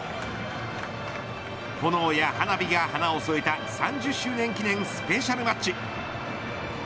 炎や花火が華を添えた３０周年記念スペシャルマッチ。